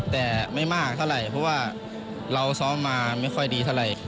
แต่ไม่มากเท่าไหร่เพราะว่าเราซ้อมมาไม่ค่อยดีเท่าไหร่